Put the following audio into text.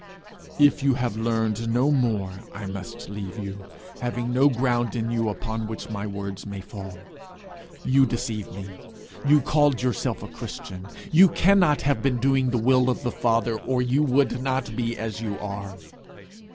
'If you have learned no more I must leave you, having no ground in you upon which my words may fall. You deceived me; you called yourself a Christian. You cannot have been doing the will of the Father, or you would not be as you are.'